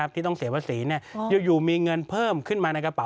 ที่ต้องเสียภาษีอยู่มีเงินเพิ่มขึ้นมาในกระเป